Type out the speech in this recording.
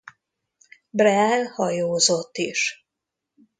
Brel hajózott is.